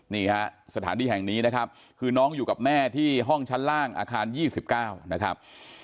นี่ฮะสถานที่แห่งนี้นะครับคือน้องอยู่กับแม่ที่ห้องชั้นล่างอาคาร๒๙นะครับ